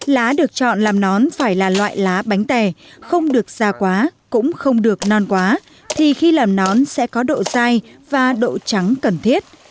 lá được chọn làm nón phải là loại lá bánh tè không được xa quá cũng không được non quá thì khi làm nón sẽ có độ dai và độ trắng cần thiết